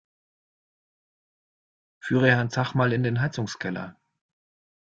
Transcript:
Führe Herrn Zach mal in den Heizungskeller!